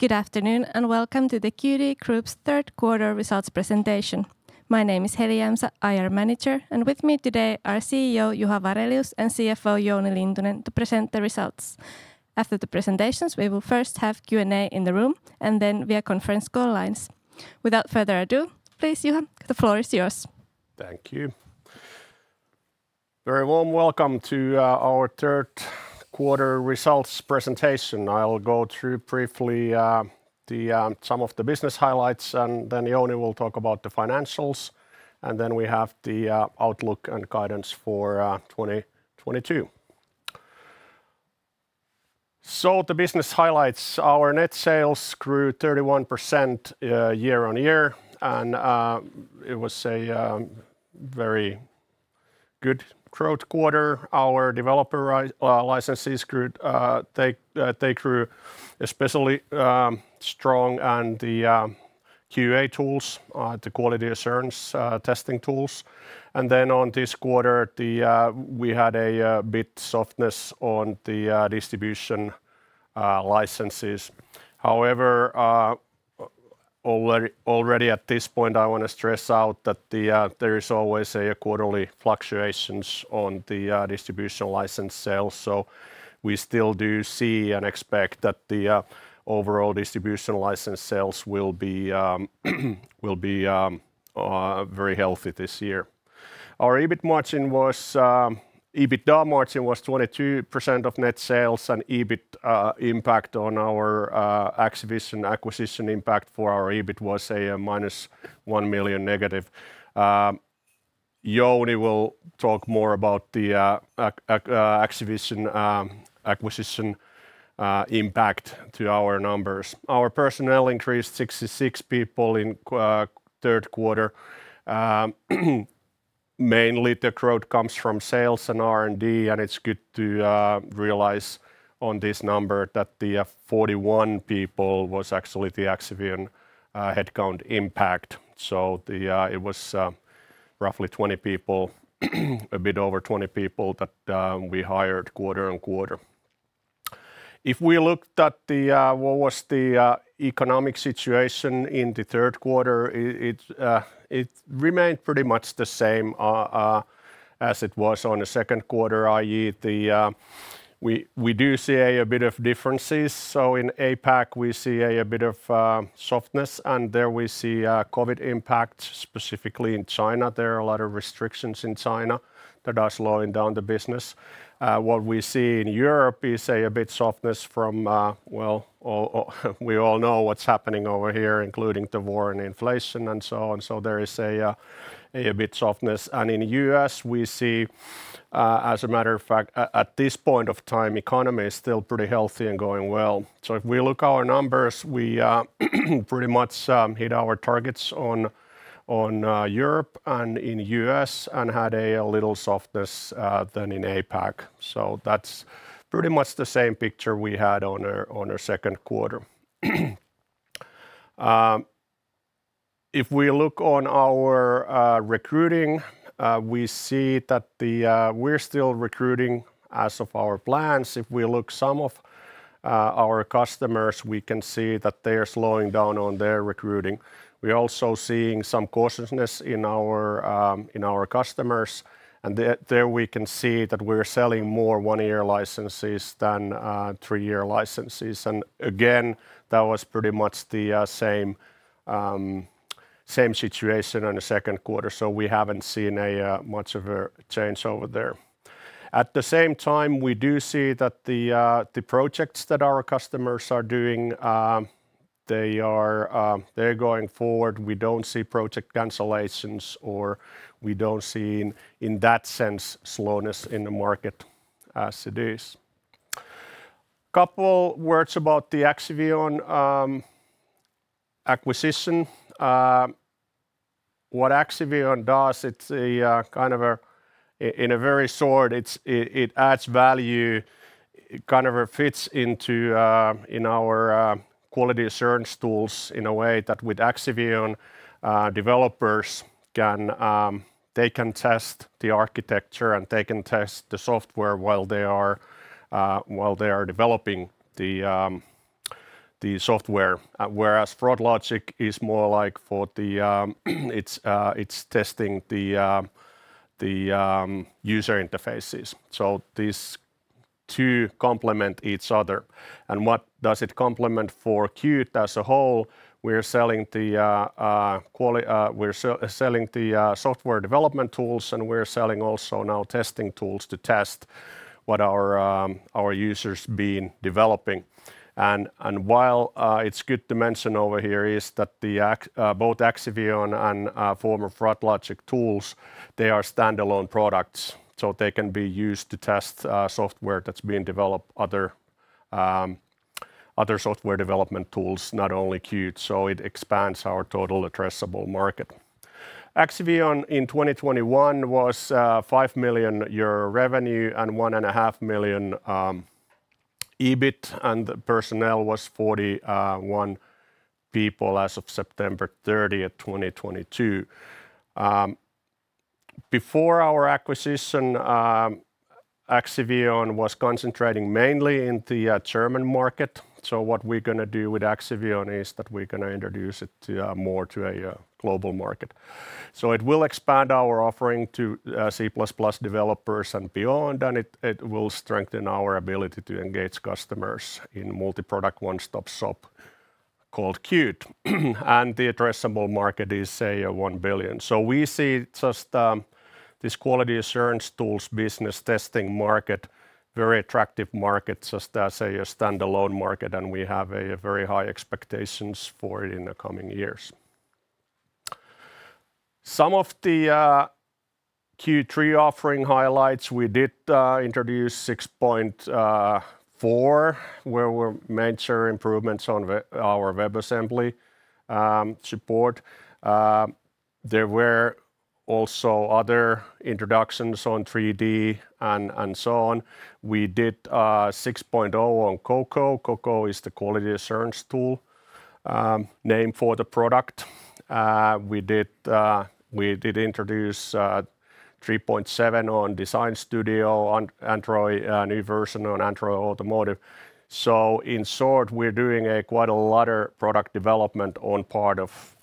Good afternoon, and welcome to the Qt Group's third quarter results presentation. My name is Heli Jämsä, IR Manager, and with me today are CEO Juha Varelius and CFO Jouni Lintunen to present the results. After the presentations, we will first have Q&A in the room, and then via conference call lines. Without further ado, please, Juha, the floor is yours. Thank you. Very warm welcome to our third quarter results presentation. I'll go through briefly some of the business highlights, and then Jouni will talk about the financials, and then we have the outlook and guidance for 2022. The business highlights, our net sales grew 31% year-on-year, and it was a very good growth quarter. Our developer licenses grew, they grew especially strong on the QA tools, the quality assurance testing tools. On this quarter, we had a bit softness on the distribution licenses. However, already at this point, I wanna stress out that there is always a quarterly fluctuations on the distribution license sales, so we still do see and expect that the overall distribution license sales will be very healthy this year. Our EBITDA margin was 22% of net sales, and EBIT impact on our Axivion acquisition impact for our EBIT was a -1 million negative. Jouni will talk more about the Axivion acquisition impact to our numbers. Our personnel increased 66 people in third quarter. Mainly the growth comes from sales and R&D, and it's good to realize on this number that the 41 people was actually the Axivion headcount impact. It was roughly 20 people, a bit over 20 people that we hired quarter-over-quarter. If we looked at what was the economic situation in the third quarter, it remained pretty much the same as it was on the second quarter, i.e., we do see a bit of differences. In APAC we see a bit of softness, and there we see COVID impact specifically in China. There are a lot of restrictions in China that are slowing down the business. What we see in Europe is a bit of softness from well, all. We all know what's happening over here, including the war and inflation and so on. There is a bit of softness. In U.S. we see, as a matter of fact, at this point of time, economy is still pretty healthy and going well. If we look at our numbers, we pretty much hit our targets on Europe and in U.S. and had a little softness in APAC. That's pretty much the same picture we had on our second quarter. If we look at our recruiting, we see that we're still recruiting as per our plans. If we look at some of our customers, we can see that they are slowing down on their recruiting. We're also seeing some cautiousness in our customers, and there we can see that we're selling more one-year licenses than three-year licenses. Again, that was pretty much the same situation on the second quarter, so we haven't seen much of a change over there. At the same time, we do see that the projects that our customers are doing, they are going forward. We don't see project cancellations or we don't see in that sense slowness in the market as it is. Couple words about the Axivion acquisition. What Axivion does, it's a kind of in a very short, it adds value, it kind of fits into our quality assurance tools in a way that with Axivion, developers can, they can test the architecture and they can test the software while they are developing the software. Whereas Froglogic is more like for the, it's testing the user interfaces. These two complement each other. What does it complement for Qt as a whole? We're selling the software development tools and we're selling also now testing tools to test what our users been developing. While it's good to mention over here is that both Axivion and former Froglogic tools, they are standalone products, so they can be used to test software that's been developed other software development tools, not only Qt, so it expands our total addressable market. Axivion in 2021 was 5 million euro revenue and 1.5 million EBIT, and the personnel was 41 people as of September 30th, 2022. Before our acquisition, Axivion was concentrating mainly in the German market. What we're gonna do with Axivion is that we're gonna introduce it to more to a global market. It will expand our offering to C++ developers and beyond, and it will strengthen our ability to engage customers in multi-product one-stop shop called Qt. The addressable market is, say, 1 billion. We see just this quality assurance tools business testing market, very attractive market just as a standalone market, and we have very high expectations for it in the coming years. Some of the Q3 offering highlights, we did introduce 6.4 where there were major improvements on our WebAssembly support. There were also other introductions on 3D and so on. We did 6.0 on Coco. Coco is the quality assurance tool, name for the product. We did introduce 3.7 on Design Studio, on Android, new version on Android Automotive. In short, we're doing quite a lot of product development as part of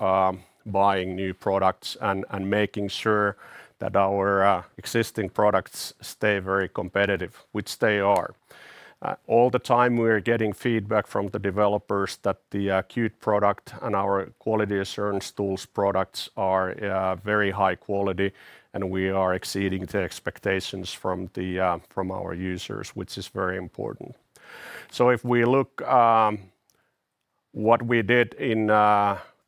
buying new products and making sure that our existing products stay very competitive, which they are. All the time we're getting feedback from the developers that the Qt product and our quality assurance tools products are very high quality, and we are exceeding the expectations from our users, which is very important. If we look what we did in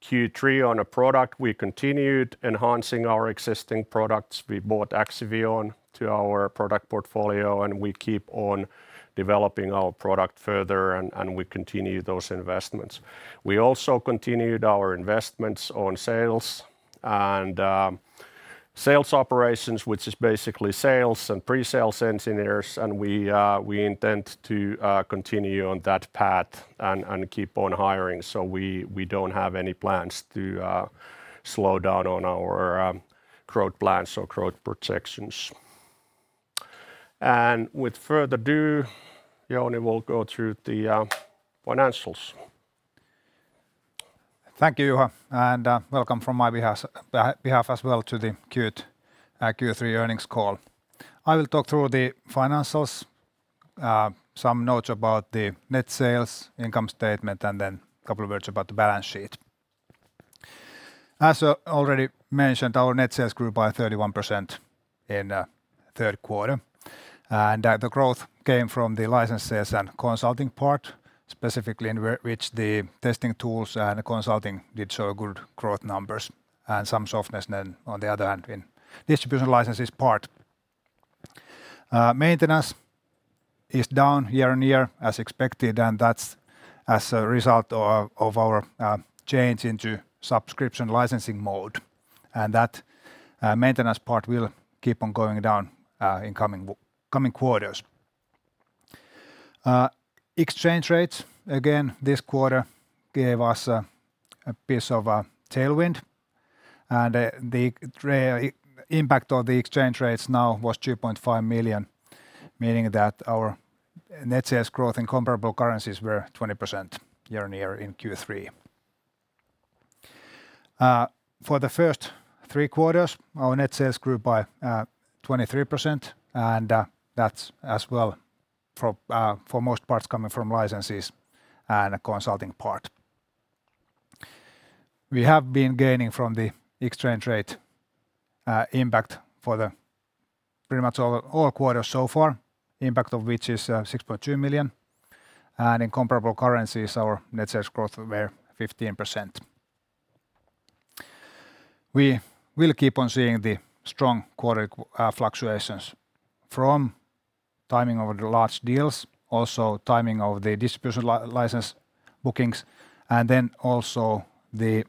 Q3 on a product, we continued enhancing our existing products. We bought Axivion to our product portfolio, and we keep on developing our product further and we continue those investments. We also continued our investments on sales and sales operations, which is basically sales and pre-sales engineers, and we intend to continue on that path and keep on hiring. We don't have any plans to slow down on our growth plans or growth projections. Without further ado, Jouni will go through the financials. Thank you, Juha, and welcome from my behalf as well to the Qt Q3 earnings call. I will talk through the financials, some notes about the net sales income statement, and then a couple words about the balance sheet. As already mentioned, our net sales grew by 31% in third quarter. The growth came from the licenses and consulting part, specifically in which the testing tools and the consulting did show good growth numbers, and some softness then on the other hand in distribution licenses part. Maintenance is down year on year as expected, and that's as a result of our change into subscription licensing mode. That maintenance part will keep on going down in coming quarters. Exchange rates, again this quarter gave us a piece of tailwind, and the impact of the exchange rates now was 2.5 million, meaning that our net sales growth in comparable currencies were 20% year-on-year in Q3. For the first three quarters, our net sales grew by 23%, and that's as well for most parts coming from licenses and a consulting part. We have been gaining from the exchange rate impact for pretty much all quarters so far, impact of which is 6.2 million. In comparable currencies, our net sales growth were 15%. We will keep on seeing the strong quarter fluctuations from timing of the large deals, also timing of the distribution license bookings, and then also the.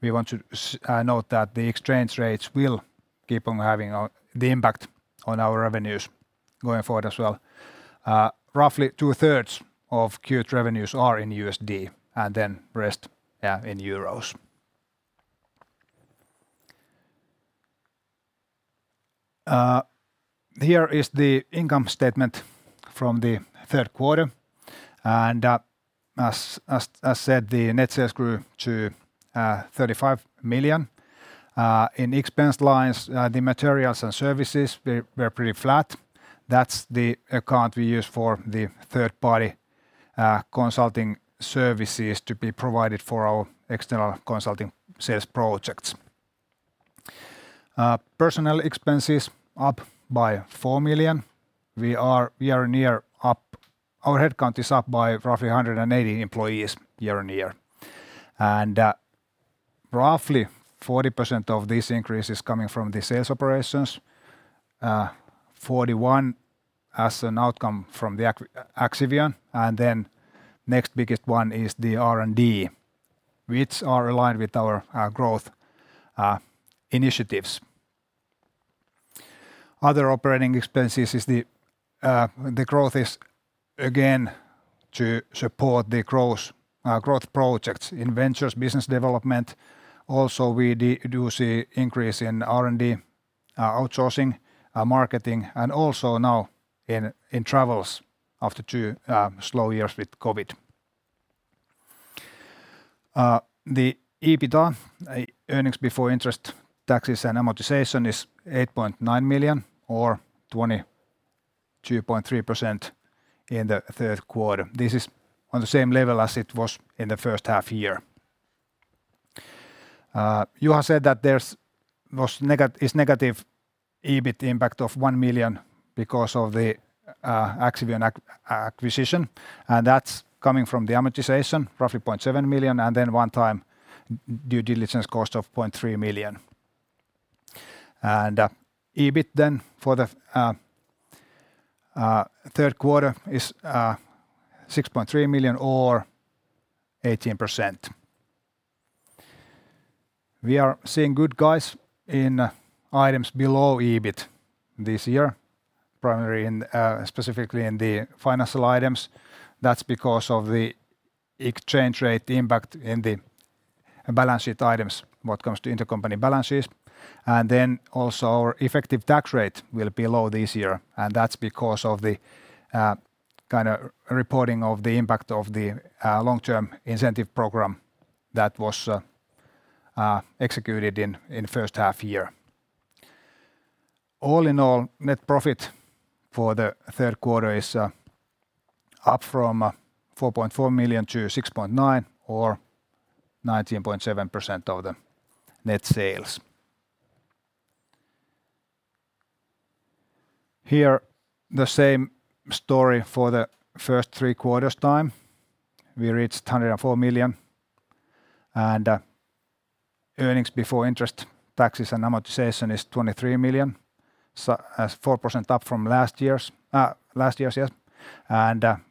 We want to note that the exchange rates will keep on having the impact on our revenues going forward as well. Roughly 2/3 of Qt revenues are in USD and the rest in Euros. Here is the income statement from the third quarter. As said, the net sales grew to 35 million. In expense lines, the materials and services were pretty flat. That's the account we use for the third party consulting services to be provided for our external consulting sales projects. Personnel expenses up by 4 million. Our headcount is up by roughly 180 employees year-on-year. Roughly 40% of this increase is coming from the sales operations, 41% as an outcome from Axivion, and then next biggest one is the R&D, which are aligned with our growth initiatives. Other operating expenses is the growth is again to support the our growth projects in ventures business development. Also we do see increase in R&D outsourcing, marketing and also now in travels after two slow years with COVID. The EBITDA, earnings before interest, taxes, depreciation, and amortization is 8.9 million or 22.3% in the third quarter. This is on the same level as it was in the first half year. Juha said that there's negative EBIT impact of 1 million because of the Axivion acquisition, and that's coming from the amortization, roughly 0.7 million, and then one-time due diligence cost of 0.3 million. EBIT then for the third quarter is 6.3 million or 18%. We are seeing good gains in items below EBIT this year, primarily, specifically in the financial items. That's because of the exchange rate impact in the balance sheet items when it comes to intercompany balances. Our effective tax rate will be low this year, and that's because of the kind of reporting of the impact of the long-term incentive program that was executed in first half year. All in all, net profit for the third quarter is up from 4.4 million to 6.9 million or 19.7% of the net sales. Here, the same story for the first three quarters this time. We reached 104 million. Earnings before interest, taxes and amortization is 23 million, so 4% up from last year's.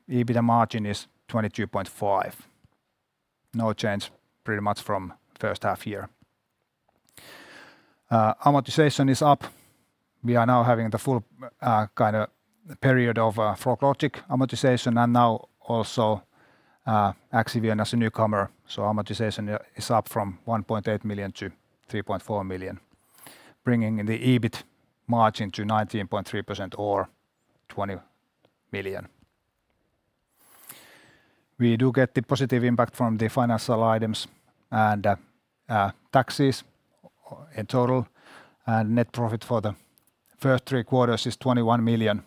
EBITDA margin is 22.5%. No change pretty much from first half year. Amortization is up. We are now having the full kind of period of Froglogic amortization and now also Axivion as a newcomer. So amortization is up from 1.8 million to 3.4 million, bringing the EBIT margin to 19.3% or 20 million. We do get the positive impact from the financial items and taxes in total, and net profit for the first three quarters is 21 million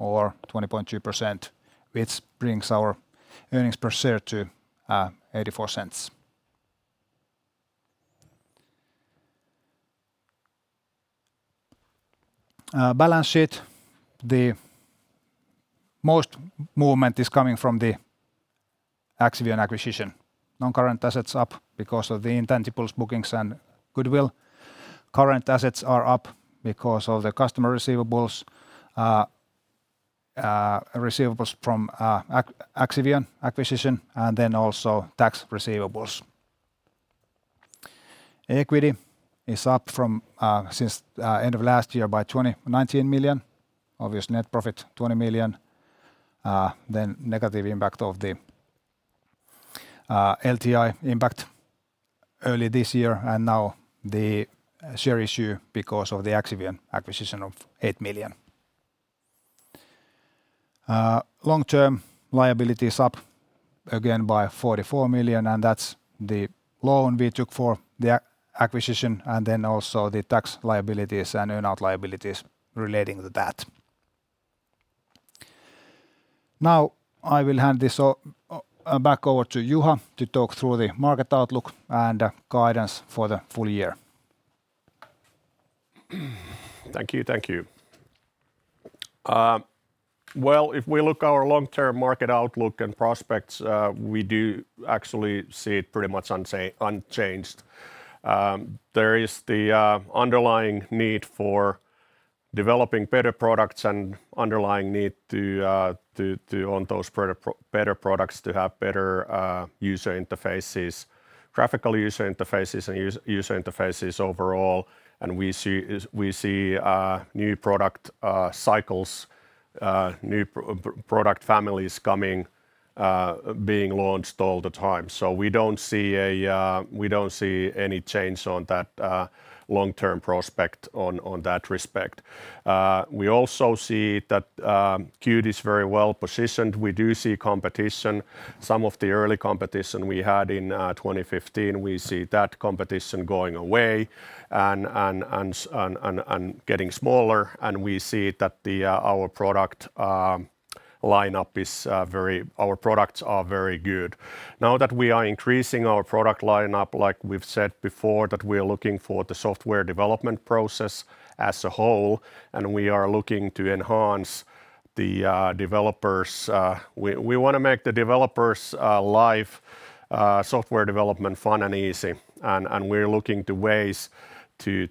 or 20.2%, which brings our earnings per share to 0.84. Balance sheet. The most movement is coming from the Axivion acquisition. Non-current assets up because of the intangibles bookings and goodwill. Current assets are up because of the customer receivables from Axivion acquisition and then also tax receivables. Equity is up from since end of last year by 19 million. Obviously net profit, 20 million. Then negative impact of the LTI impact early this year and now the share issue because of the Axivion acquisition of 8 million. Long-term liability is up again by 44 million, and that's the loan we took for the acquisition and then also the tax liabilities and earn-out liabilities relating to that. Now I will hand this back over to Juha to talk through the market outlook and guidance for the full year. Thank you. Thank you. Well, if we look at our long-term market outlook and prospects, we do actually see it pretty much unchanged. There is the underlying need for developing better products and underlying need for those better products to have better user interfaces, graphical user interfaces and user interfaces overall. We see new product cycles, new product families coming, being launched all the time. We don't see any change on that long-term prospect in that respect. We also see that Qt is very well positioned. We do see competition. Some of the early competition we had in 2015, we see that competition going away and getting smaller, and we see that our product lineup is very good. Our products are very good. Now that we are increasing our product lineup, like we've said before, that we are looking for the software development process as a whole, and we are looking to enhance the developers. We wanna make the developers' life software development fun and easy, and we're looking to ways to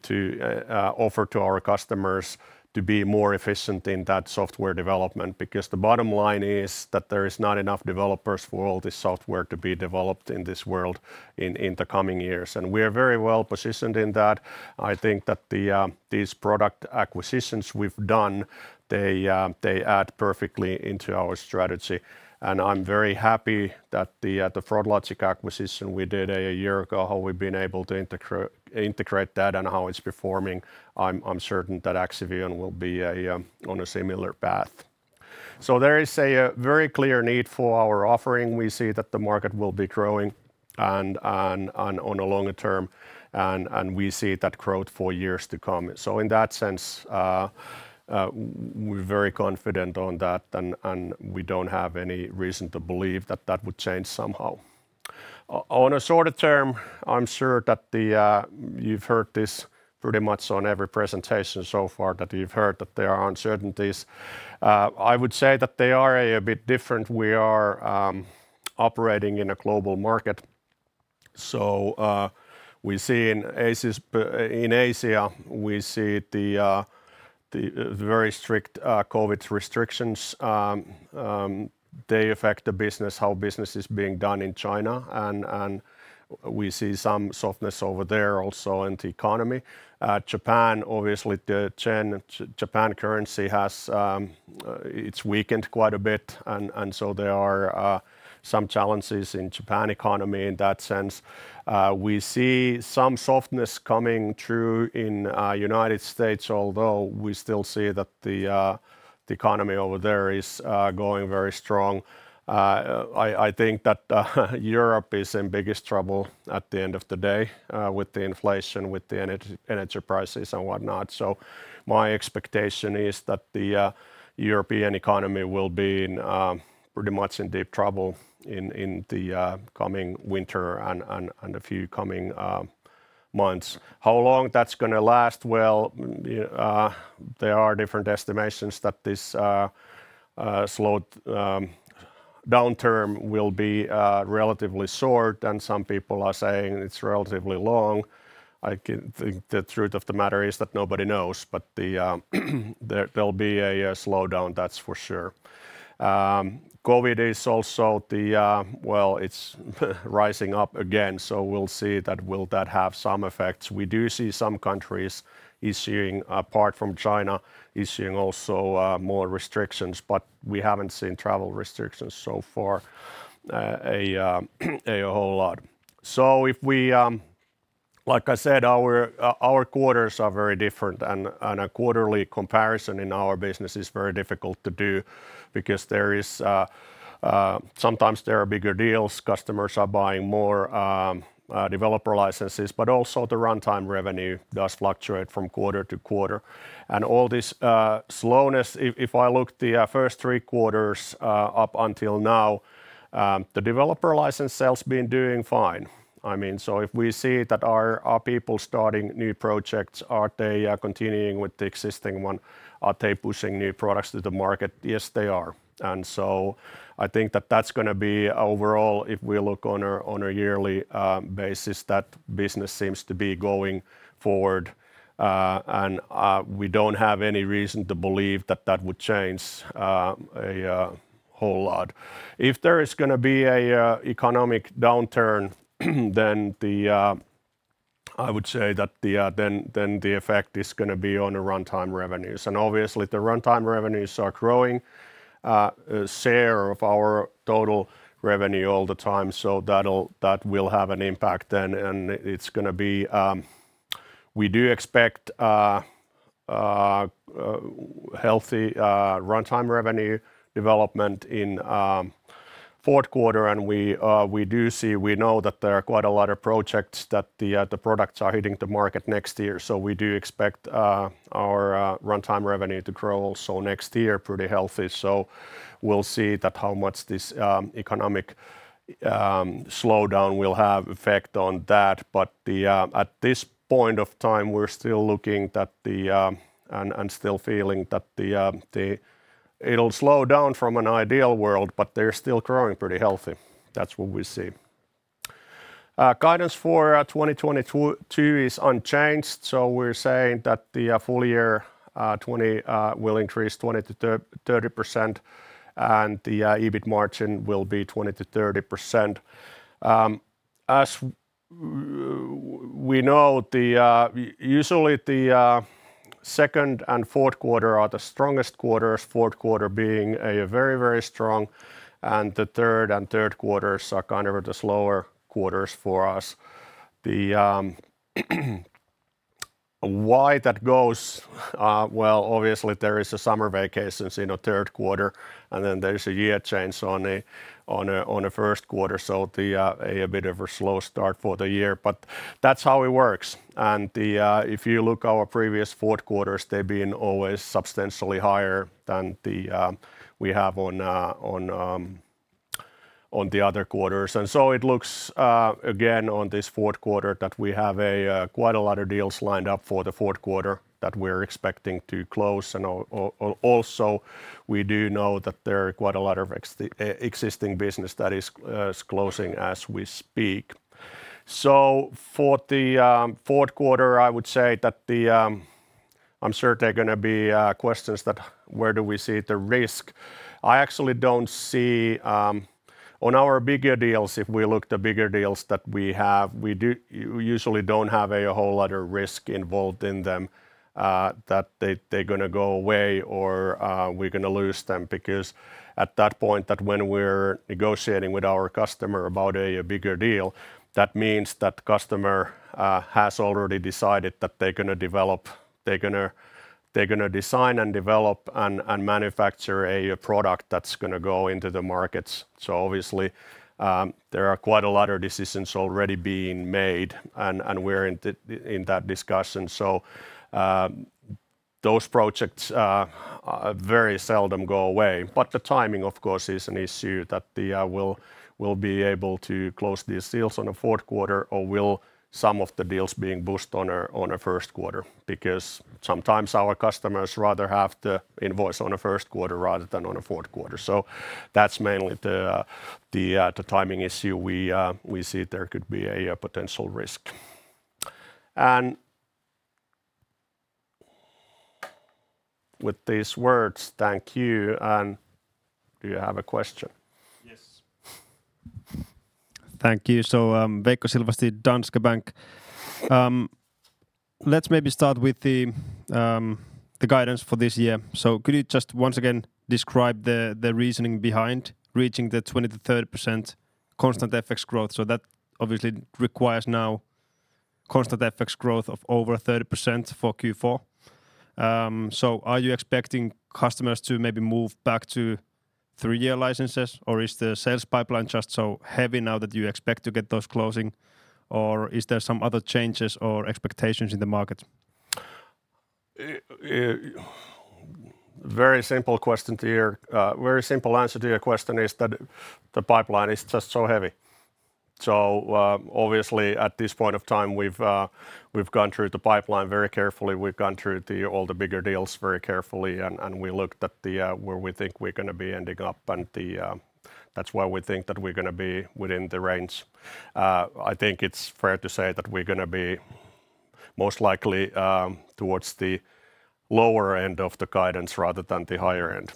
offer to our customers to be more efficient in that software development because the bottom line is that there is not enough developers for all this software to be developed in this world in the coming years. We are very well positioned in that. I think that the these product acquisitions we've done, they add perfectly into our strategy. I'm very happy that the Froglogic acquisition we did a year ago, how we've been able to integrate that and how it's performing. I'm certain that Axivion will be on a similar path. There is a very clear need for our offering. We see that the market will be growing and on a longer term, and we see that growth for years to come. In that sense, we're very confident on that and we don't have any reason to believe that that would change somehow. On a shorter term, I'm sure that you've heard this pretty much on every presentation so far that you've heard, that there are uncertainties. I would say that they are a bit different. We are operating in a global market. We see in Asia the very strict COVID restrictions. They affect the business, how business is being done in China and we see some softness over there also in the economy. Japan, obviously the Japanese currency has weakened quite a bit and so there are some challenges in the Japan economy in that sense. We see some softness coming through in United States, although we still see that the economy over there is going very strong. I think that Europe is in biggest trouble at the end of the day, with the inflation, with the energy prices and whatnot. My expectation is that the European economy will be in pretty much in deep trouble in the coming winter and a few coming months. How long that's gonna last? Well, there are different estimations that this slow downturn will be relatively short, and some people are saying it's relatively long. The truth of the matter is that nobody knows, but there'll be a slowdown, that's for sure. COVID is also. Well, it's rising up again, so we'll see that will have some effects. We do see some countries issuing, apart from China, also more restrictions, but we haven't seen travel restrictions so far a whole lot. If we... Like I said, our quarters are very different and a quarterly comparison in our business is very difficult to do because there are sometimes bigger deals, customers are buying more developer licenses. Also the runtime revenue does fluctuate from quarter to quarter. All this slowness, if I look the first three quarters up until now, the developer license sales been doing fine. I mean, if we see that, are people starting new projects, are they continuing with the existing one? Are they pushing new products to the market? Yes, they are. I think that that's gonna be overall, if we look on a yearly basis, that business seems to be going forward. We don't have any reason to believe that would change a whole lot. If there is gonna be an economic downturn, then I would say that the effect is gonna be on the runtime revenues. Obviously, the runtime revenues are growing share of our total revenue all the time, so that will have an impact then. We do expect a healthy runtime revenue development in fourth quarter, and we do see, we know that there are quite a lot of projects that the products are hitting the market next year. We do expect our runtime revenue to grow also next year pretty healthy. We'll see how much this economic slowdown will have an effect on that. At this point in time, we're still looking at it and still feeling that it'll slow down from an ideal world, but they're still growing pretty healthy. That's what we see. Guidance for 2022 is unchanged. We're saying that the full year 2022 will increase 20%-30%, and the EBIT margin will be 20%-30%. As we know, usually the second and fourth quarters are the strongest quarters, fourth quarter being very strong, and the first and third quarters are kind of the slower quarters for us. That's why it goes well, obviously. There is a summer vacation in the third quarter, and then there is a year change in the first quarter. A bit of a slow start for the year, but that's how it works. If you look at our previous fourth quarters, they've been always substantially higher than what we have in the other quarters. It looks like, again, this fourth quarter that we have quite a lot of deals lined up for the fourth quarter that we're expecting to close. Also, we do know that there are quite a lot of existing business that is closing as we speak. For the fourth quarter, I would say that the. I'm sure there are gonna be questions as to where we see the risk. I actually don't see on our bigger deals, if we look at the bigger deals that we have, we usually don't have a whole lot of risk involved in them, that they're gonna go away or we're gonna lose them because at that point when we're negotiating with our customer about a bigger deal, that means that the customer has already decided that they're gonna develop. They're gonna design, develop, and manufacture a product that's gonna go into the markets. Obviously, there are quite a lot of decisions already being made and we're in that discussion. Those projects very seldom go away. But the timing, of course, is an issue that the. We'll be able to close these deals on the fourth quarter or will some of the deals being pushed on a first quarter. Because sometimes our customers rather have the invoice on a first quarter rather than on a fourth quarter. That's mainly the timing issue we see there could be a potential risk. With these words, thank you. Do you have a question? Yes. Thank you. Veikko Silvasti, Danske Bank. Let's maybe start with the guidance for this year. Could you just once again describe the reasoning behind reaching the 20%-30% constant FX growth? That obviously requires now constant FX growth of over 30% for Q4. Are you expecting customers to maybe move back to three-year licenses, or is the sales pipeline just so heavy now that you expect to get those closing, or is there some other changes or expectations in the market? Very simple question, dear. Very simple answer to your question is that the pipeline is just so heavy. Obviously at this point of time, we've gone through the pipeline very carefully. We've gone through all the bigger deals very carefully and we looked at where we think we're gonna be ending up and the. That's why we think that we're gonna be within the range. I think it's fair to say that we're gonna be most likely towards the lower end of the guidance rather than the higher end.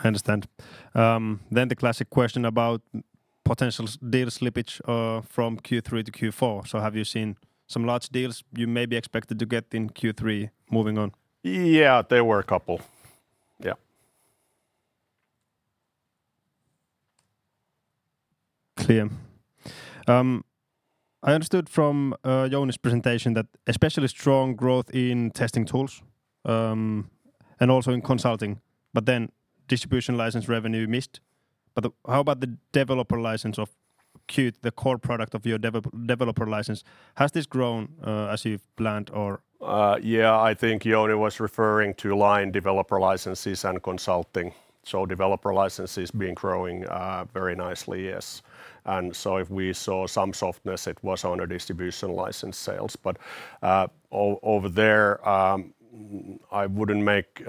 I understand. The classic question about potential deal slippage, from Q3 to Q4. Have you seen some large deals you maybe expected to get in Q3 moving on? Yeah. There were a couple. Yeah. Clear. I understood from Jouni's presentation that especially strong growth in testing tools and also in consulting, but then distribution license revenue missed. How about the developer license of Qt, the core product of your developer license, has this grown as you've planned or? I think Jouni was referring to line developer licenses and consulting. Developer license has been growing very nicely. Yes. If we saw some softness, it was on the distribution license sales. Over there, I wouldn't make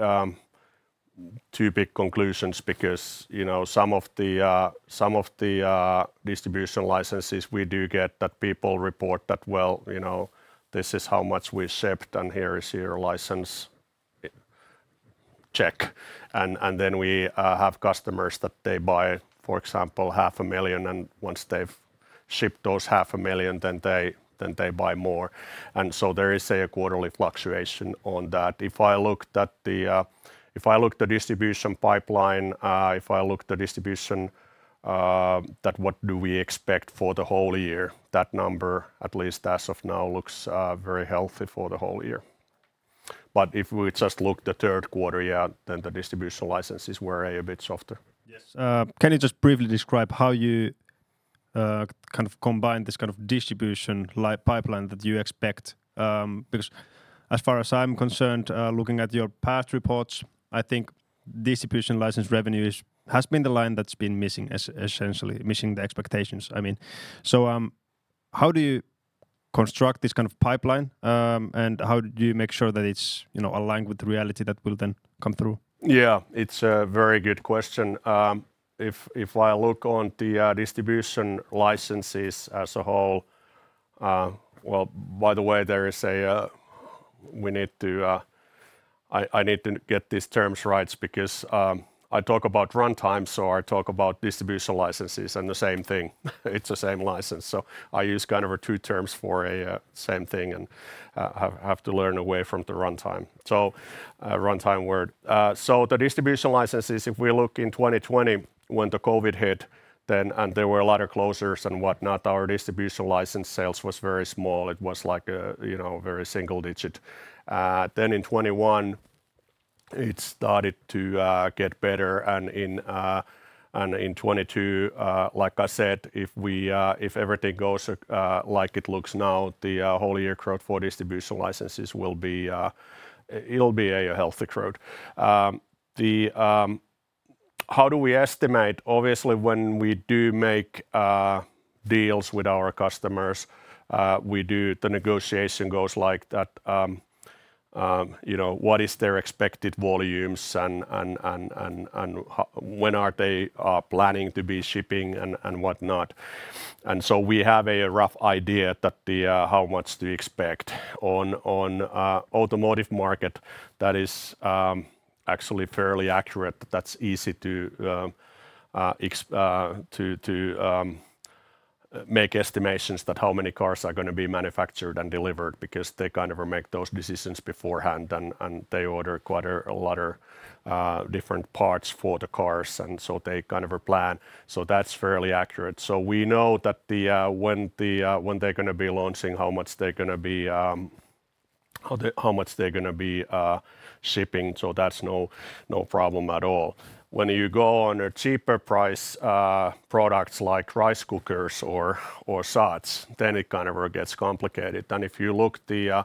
too big conclusions because, you know, some of the distribution licenses we do get that people report that, "Well, you know, this is how much we shipped, and here is your license. Check." Then we have customers that they buy, for example, half a million, and once they've shipped those half a million, then they buy more. There is a quarterly fluctuation on that. If I looked at the distribution pipeline, that's what we expect for the whole year, that number, at least as of now, looks very healthy for the whole year. If we just look at the third quarter, yeah, then the distribution licenses were a bit softer. Yes. Can you just briefly describe how you kind of combine this kind of distribution license pipeline that you expect? Because as far as I'm concerned, looking at your past reports, I think distribution license revenue has been the line that's been essentially missing the expectations, I mean. How do you construct this kind of pipeline, and how do you make sure that it's, you know, aligned with the reality that will then come through? Yeah. It's a very good question. If I look at the distribution licenses as a whole. Well, by the way, I need to get these terms right because I talk about runtime, so I talk about distribution licenses, and the same thing. It's the same license, so I use kind of two terms for the same thing, and I have to wean away from the runtime. Runtime word. The distribution licenses, if we look in 2020 when COVID hit, and there were a lot of closures and whatnot, our distribution license sales was very small. It was like, you know, very single digit. In 2021, it started to get better, and in 2022, like I said, if everything goes like it looks now, the whole year growth for distribution licenses will be a healthy growth. How do we estimate? Obviously, when we do make deals with our customers, we do. The negotiation goes like that, you know, what is their expected volumes and when are they planning to be shipping and whatnot. We have a rough idea of how much to expect. On automotive market, that is actually fairly accurate. That's easy to make estimations that how many cars are gonna be manufactured and delivered because they kind of make those decisions beforehand and they order quite a lot of different parts for the cars, and so they kind of plan. That's fairly accurate. We know that when they're gonna be launching, how much they're gonna be shipping, so that's no problem at all. When you go to cheaper priced products like rice cookers or such, then it kind of gets complicated. If you look at the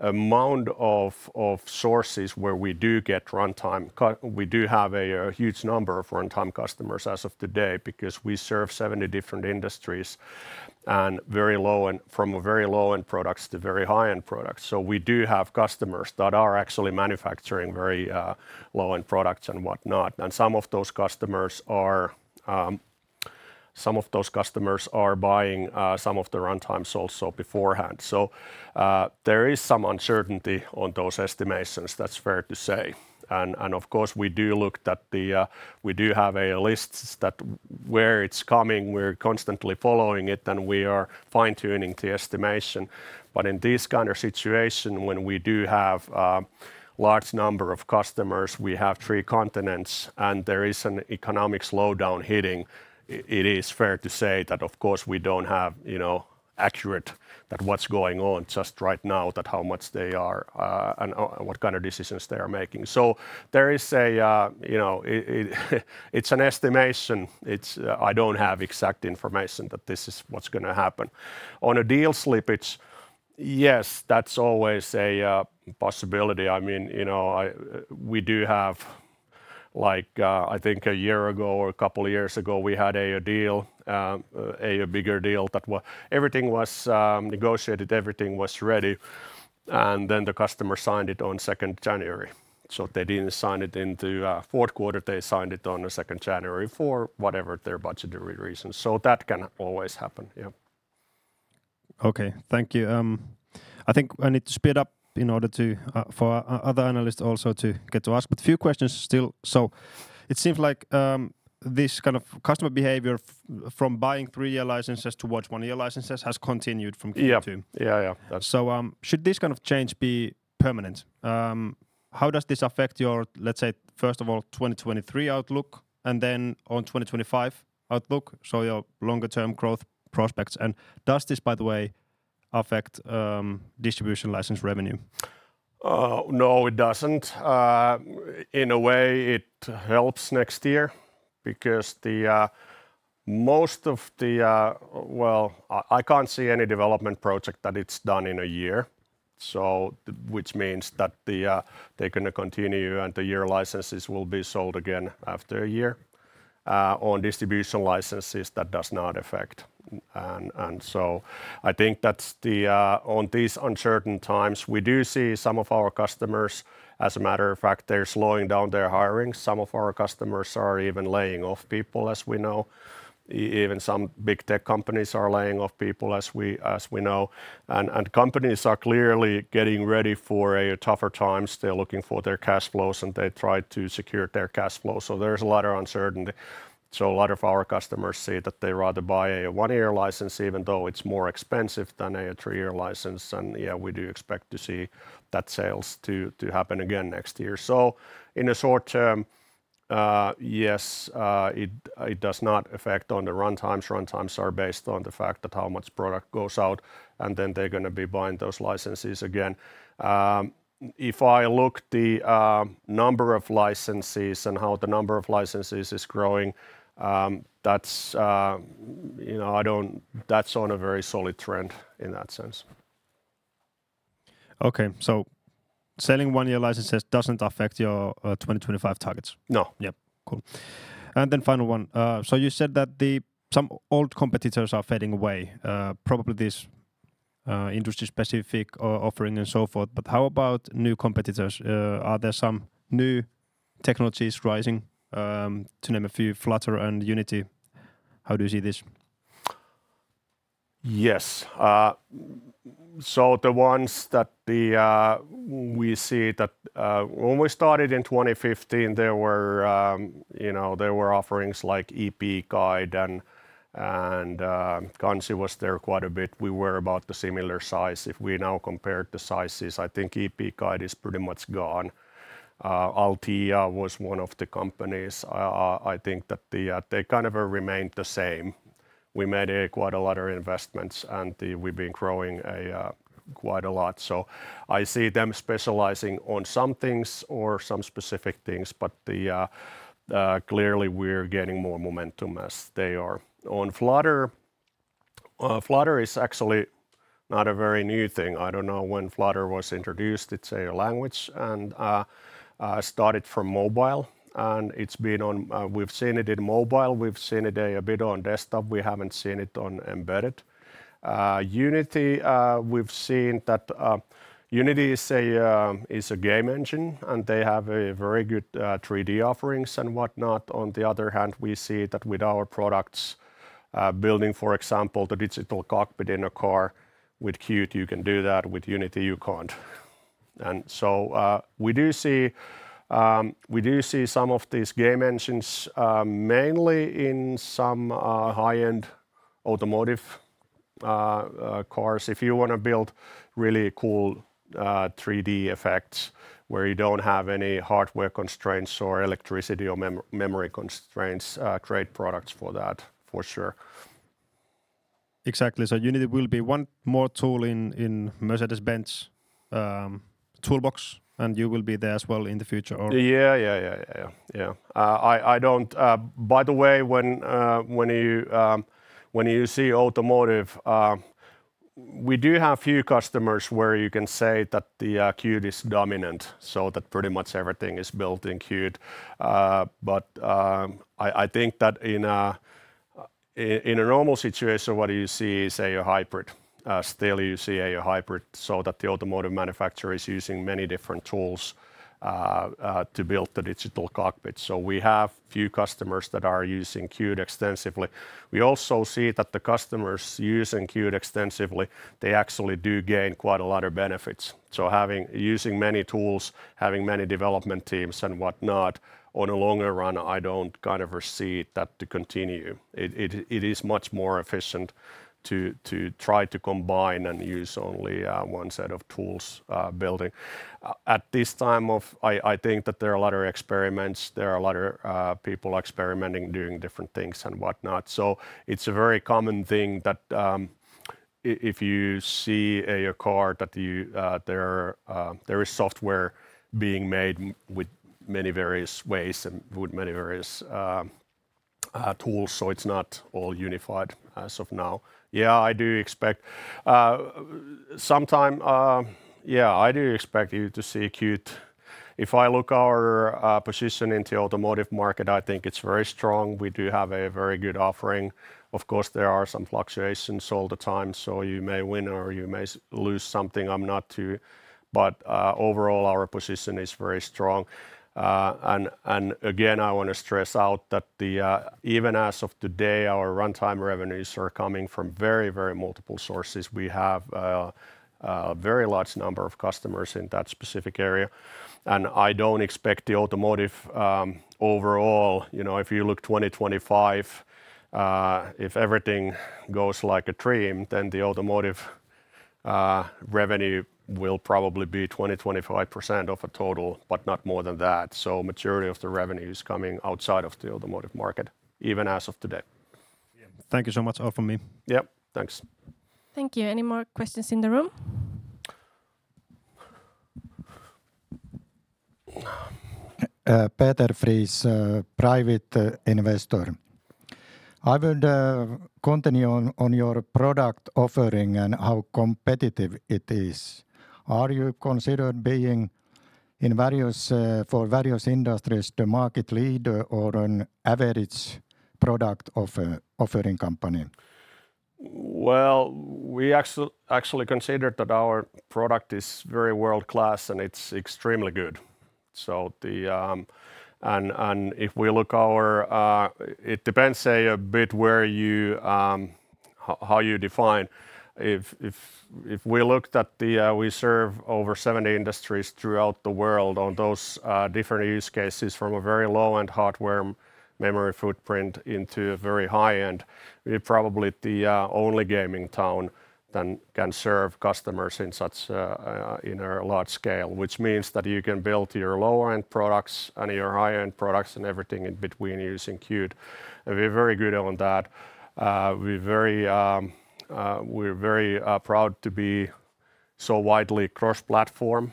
amount of sources where we get runtime customers, we have a huge number of runtime customers as of today because we serve 70 different industries and very low-end. From a very low-end products to very high-end products. We do have customers that are actually manufacturing very low-end products and whatnot. Some of those customers are buying some of the runtimes also beforehand. There is some uncertainty on those estimations, that's fair to say. Of course, we do have a list that where it's coming, we're constantly following it, and we are fine-tuning the estimation. In this kind of situation, when we do have large number of customers, we have three continents, and there is an economic slowdown hitting, it is fair to say that, of course, we don't have, you know, accurate at what's going on just right now, that how much they are and what kind of decisions they are making. There is a, you know, it's an estimation. It's I don't have exact information, but this is what's gonna happen. On a deal slippage, yes, that's always a possibility. I mean, you know, we do have like, I think a year ago or a couple years ago, we had a deal, a bigger deal that everything was negotiated, everything was ready, and then the customer signed it on second January. They didn't sign it into fourth quarter. They signed it on second January for whatever their budgetary reasons. That can always happen. Yeah. Okay. Thank you. I think I need to speed up in order to, for other analysts also to get to ask but a few questions still. It seems like this kind of customer behavior from buying three-year licenses towards one-year licenses has continued from Q2. Yeah. Should this kind of change be permanent? How does this affect your, let's say, first of all, 2023 outlook, and then on 2025 outlook, so your longer term growth prospects? Does this, by the way, affect distribution license revenue? No, it doesn't. In a way, it helps next year because the most of the... Well, I can't see any development project that it's done in a year, so which means that they're gonna continue, and the year licenses will be sold again after a year. On distribution licenses, that does not affect. I think that's the. In these uncertain times, we do see some of our customers, as a matter of fact, they're slowing down their hiring. Some of our customers are even laying off people, as we know. Even some big tech companies are laying off people, as we know. Companies are clearly getting ready for tougher times. They're looking at their cash flows, and they try to secure their cash flow. There's a lot of uncertainty. A lot of our customers say that they rather buy a one-year license, even though it's more expensive than a three-year license. Yeah, we do expect to see that sales too happen again next year. In the short term, it does not affect on the runtimes. Runtimes are based on the fact that how much product goes out, and then they're gonna be buying those licenses again. If I look at the number of licenses and how the number of licenses is growing, that's, you know, on a very solid trend in that sense. Okay. Selling one-year licenses doesn't affect your 2025 targets? No. Yeah. Cool. Then final one. You said that some old competitors are fading away, probably this industry specific offering and so forth. How about new competitors? Are there some new technologies rising? To name a few, Flutter and Unity. How do you see this? Yes. The ones that we see that when we started in 2015, there were, you know, offerings like EB GUIDE and Kanzi was there quite a bit. We were about the similar size. If we now compare the sizes, I think EB GUIDE is pretty much gone. Altia was one of the companies. I think they kind of remained the same. We made quite a lot of investments, and we've been growing quite a lot. I see them specializing on some things or some specific things, but clearly we're gaining more momentum as they are. On Flutter is actually not a very new thing. I don't know when Flutter was introduced. It's a language and started from mobile and it's been on. We've seen it in mobile. We've seen it a bit on desktop. We haven't seen it on embedded. Unity, we've seen that, Unity is a game engine, and they have a very good 3D offerings and whatnot. On the other hand, we see that with our products, building, for example, the digital cockpit in a car with Qt, you can do that. With Unity, you can't. We do see some of these game engines, mainly in some high-end automotive cars. If you wanna build really cool 3D effects where you don't have any hardware constraints or electricity or memory constraints, great products for that, for sure. Exactly. Unity will be one more tool in Mercedes-Benz toolbox, and you will be there as well in the future. Yeah. By the way, when you see automotive, we do have few customers where you can say that Qt is dominant, so that pretty much everything is built in Qt. I think that in a normal situation what you see is a hybrid. Still, the automotive manufacturer is using many different tools to build the digital cockpit. We have few customers that are using Qt extensively. We also see that the customers using Qt extensively, they actually do gain quite a lot of benefits. Using many tools, having many development teams and whatnot, in the long run I don't kind of foresee that to continue. It is much more efficient to try to combine and use only one set of tools. At this time, I think that there are a lot of experiments, people experimenting doing different things and whatnot. It's a very common thing that if you see a car, there is software being made with many various ways and with many various tools, so it's not all unified as of now. I do expect you to see Qt sometime. If I look at our position in the automotive market, I think it's very strong. We do have a very good offering. Of course, there are some fluctuations all the time, so you may win or you may lose something. Overall our position is very strong. And again, I wanna stress out that even as of today, our runtime revenues are coming from very multiple sources. We have a very large number of customers in that specific area, and I don't expect the automotive overall, you know, if you look 2025, if everything goes like a dream, then the automotive revenue will probably be 20%-25% of the total, but not more than that. Majority of the revenue is coming outside of the automotive market, even as of today. Yeah. Thank you so much all from me. Yep. Thanks. Thank you. Any more questions in the room? Peter Friis, Private Investor. I would continue on your product offering and how competitive it is. Are you considered being in various industries the market leader or an average product offering company? Well, we actually consider that our product is very world-class, and it's extremely good. It depends, say, a bit on how you define. If we looked at it, we serve over 70 industries throughout the world on those different use cases from a very low-end hardware memory footprint into a very high-end. We're probably the only game in town that can serve customers on such a large scale, which means that you can build your lower-end products and your higher-end products and everything in between using Qt. We're very good on that. We're very proud to be so widely cross-platform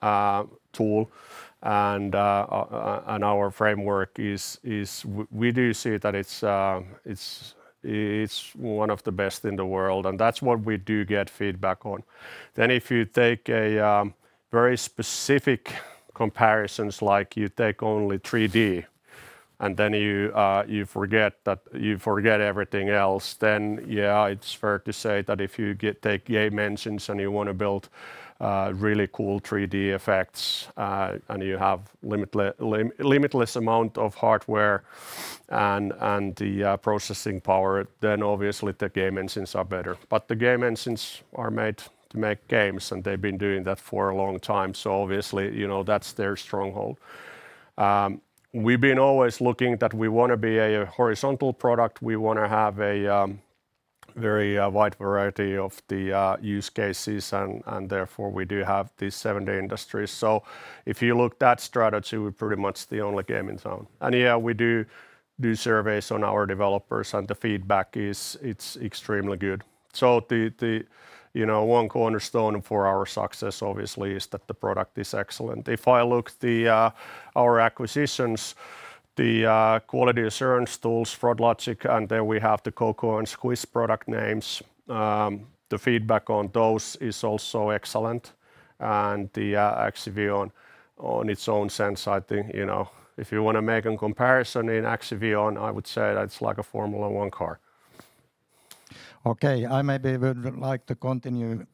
tool. Our framework is, we do see that it's one of the best in the world, and that's what we do get feedback on. If you take a very specific comparisons, like you take only 3D, and then you forget that, you forget everything else, then yeah, it's fair to say that if you take game engines, and you wanna build really cool 3D effects, and you have limitless amount of hardware and the processing power, then obviously the game engines are better. The game engines are made to make games, and they've been doing that for a long time, so obviously, you know, that's their stronghold. We've been always looking that we wanna be a horizontal product. We wanna have a very wide variety of the use cases and therefore we do have these 70 industries. If you look at that strategy, we're pretty much the only game in town. Yeah, we do surveys on our developers, and the feedback is that it's extremely good. You know, one cornerstone for our success obviously is that the product is excellent. If I look at our acquisitions, the quality assurance tools, Froglogic, and then we have the Coco and Squish product names, the feedback on those is also excellent. The Axivion in its own sense, I think, you know, if you wanna make a comparison to Axivion, I would say that it's like a Formula One car. Okay. I maybe would like to continue to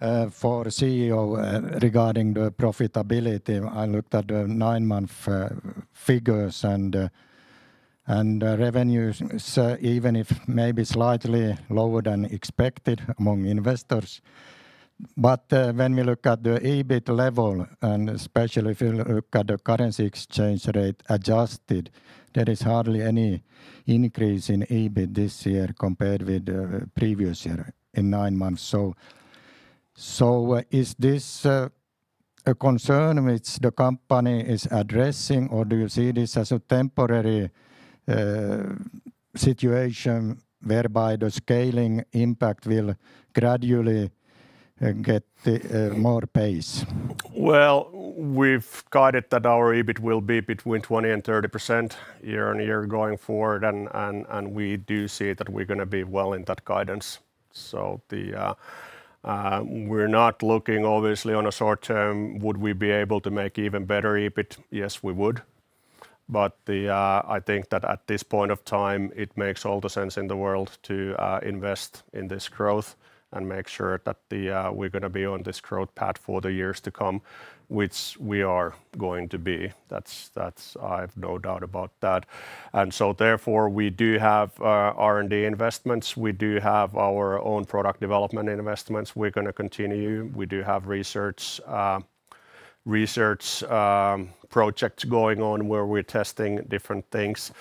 the CEO regarding the profitability. I looked at the nine-month figures and revenues, even if maybe slightly lower than expected among investors. When we look at the EBIT level, and especially if you look at the currency exchange rate adjusted, there is hardly any increase in EBIT this year compared with previous year in nine months. Is this a concern which the company is addressing or do you see this as a temporary situation whereby the scaling impact will gradually get more pace? Well, we've guided that our EBIT will be between 20% and 30% year-on-year going forward, and we do see that we're gonna be well in that guidance. We're not looking, obviously, on a short-term would we be able to make even better EBIT. Yes, we would. I think that at this point of time, it makes all the sense in the world to invest in this growth and make sure that we're gonna be on this growth path for the years to come, which we are going to be. That's. I have no doubt about that. Therefore, we do have R&D investments. We do have our own product development investments we're gonna continue. We do have research projects going on where we're testing different things.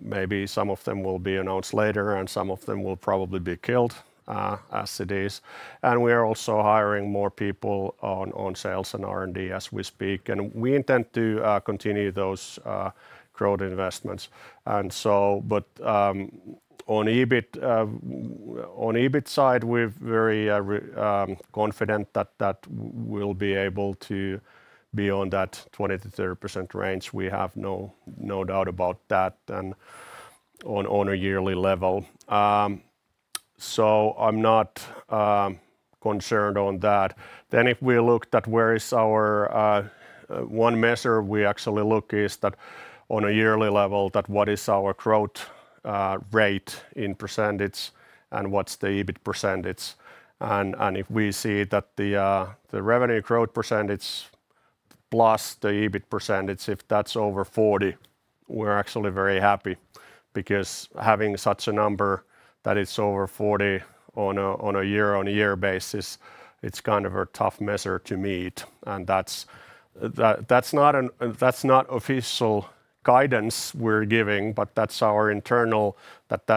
Maybe some of them will be announced later, and some of them will probably be killed, as it is. We are also hiring more people on sales and R&D as we speak. We intend to continue those growth investments. On EBIT side, we're very confident that we'll be able to be on that 20%-30% range. We have no doubt about that and on a yearly level. I'm not concerned on that. If we look at where our one measure we actually look is that on a yearly level that what is our growth rate in percentage and what's the EBIT percentage. If we see that the revenue growth percentage plus the EBIT percentage, if that's over 40%, we're actually very happy because having such a number that is over 40% on a year-on-year basis, it's kind of a tough measure to meet, and that's not official guidance we're giving, but that's our internal measure,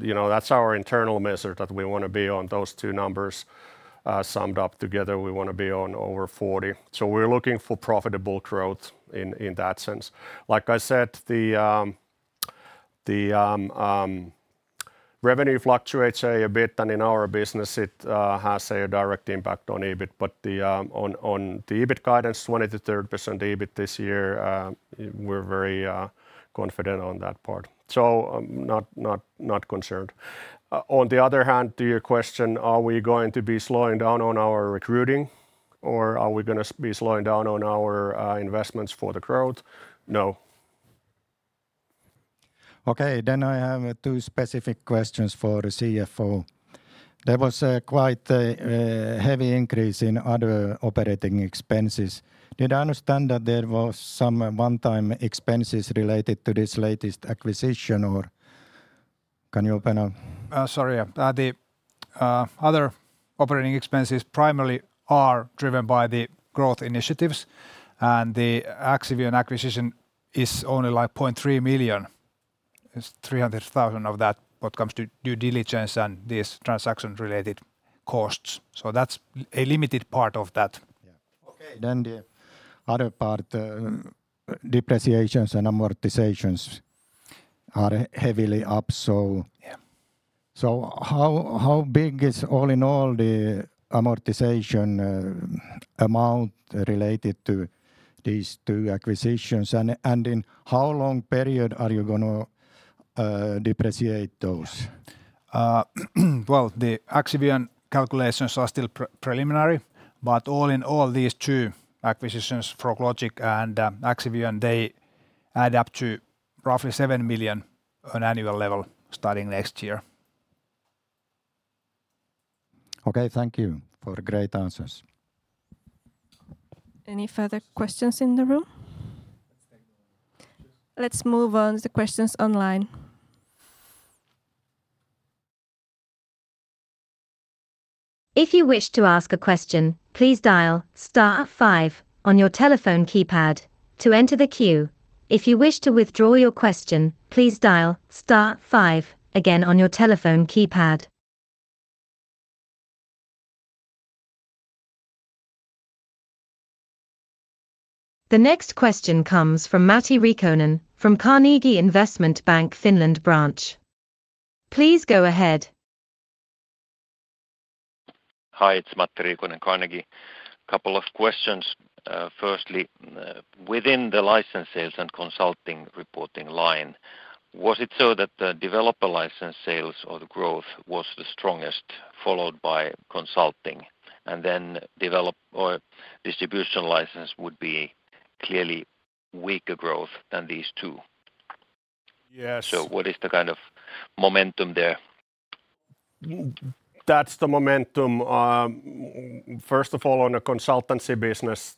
you know, that we wanna be on those two numbers summed up together. We wanna be on over 40%. We're looking for profitable growth in that sense. Like I said, the revenue fluctuates a bit, and in our business it has a direct impact on EBIT. On the EBIT guidance, 20%-30% EBIT this year, we're very confident on that part. I'm not concerned. On the other hand, to your question, are we going to be slowing down on our recruiting or are we gonna be slowing down on our investments for the growth? No. Okay. I have two specific questions for the CFO. There was a quite heavy increase in other operating expenses. Did I understand that there was some one-time expenses related to this latest acquisition or can you open a- Sorry. The other operating expenses primarily are driven by the growth initiatives, and the Axivion acquisition is only like 0.3 million. It's 300,000 of that what comes to due diligence and these transaction-related costs. That's a limited part of that. Yeah. Okay. The other part, depreciations and amortizations, are heavily up. Yeah how big is all in all the amortization amount related to these two acquisitions? In how long period are you gonna depreciate those? The Axivion calculations are still preliminary, but all in all, these two acquisitions, Froglogic and Axivion, add up to roughly 7 million on annual level starting next year. Okay. Thank you for the great answers. Any further questions in the room? Let's take them online. Let's move on to the questions online. If you wish to ask a question, please dial star five on your telephone keypad to enter the queue. If you wish to withdraw your question, please dial star five again on your telephone keypad. The next question comes from Matti Riikonen from Carnegie Investment Bank, Finland branch. Please go ahead. Hi, it's Matti Riikonen, Carnegie. Couple of questions. Firstly, within the license sales and consulting reporting line, was it so that the developer license sales or the growth was the strongest, followed by consulting, and then distribution license would be clearly weaker growth than these two? Yes. What is the kind of momentum there? That's the momentum. First of all, on a consultancy business,